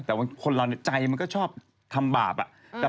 แต่ว่าคนเราใจมันก็ชอบทำบาป